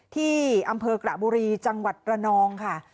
ที่อำเภอกระบุรีจังหวัดระนองค่ะ